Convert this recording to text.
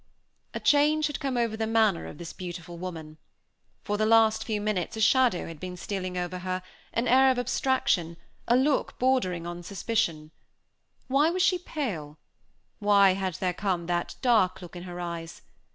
A change had come over the manner of this beautiful woman. For the last few minutes a shadow had been stealing over her, an air of abstraction, a look bordering on suspicion. Why was she pale? Why had there come that dark look in her eyes?